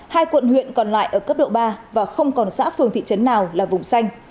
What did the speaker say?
hai quận huyện còn lại ở cấp độ ba và không còn xã phường thị trấn nào là vùng xanh